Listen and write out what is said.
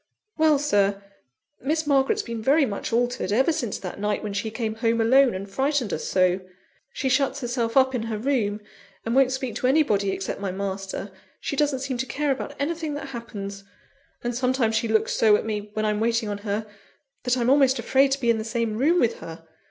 "Well, Sir, Miss Margaret's been very much altered, ever since that night when she came home alone, and frightened us so. She shuts herself up in her room, and won't speak to anybody except my master; she doesn't seem to care about anything that happens; and sometimes she looks so at me, when I'm waiting on her, that I'm almost afraid to be in the same room with her.